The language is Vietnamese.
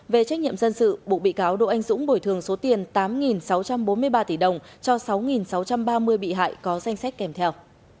về trách nhiệm dân sự bộ bị cáo đỗ anh dũng bồi thường số tiền tám sáu trăm bốn mươi ba tỷ đồng cho sáu sáu trăm ba mươi bị hại có danh sách kèm theo